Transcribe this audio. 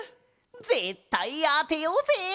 ぜったいあてようぜ！